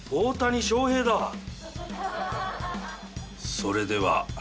それでは